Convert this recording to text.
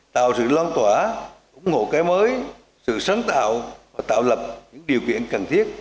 tạo sự loan tỏa ủng hộ cái mới sự sáng tạo và tạo lập những điều kiện cần thiết